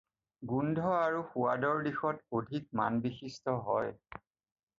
গোন্ধ আৰু সোৱাদৰ দিশত অধিক মানবিশিষ্ট হয়।